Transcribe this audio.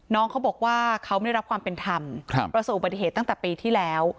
น้องเขาบอกว่าเขาไม่ได้รับความเป็นธรรมประสบอุบัติเหตุตั้งแต่ปีที่แล้ว